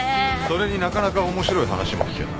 それになかなか面白い話も聞けた。